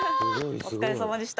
お疲れさまでした。